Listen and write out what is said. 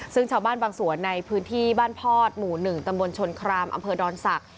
ซึ่งชาวบ้านบางส่วนในพื้นที่บ้านพอดหมู่๑ตำบลชนครามอำเภอดอนศักดิ